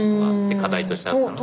課題としてあったので。